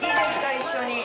一緒に。